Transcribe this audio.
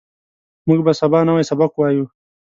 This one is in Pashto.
موږ به سبا نوی سبق وایو